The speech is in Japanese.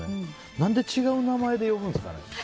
何で、違う名前で呼ぶんですかね。